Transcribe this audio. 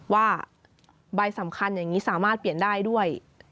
ว่าใบสำคัญอย่างนี้สามารถเปลี่ยนได้ด้วย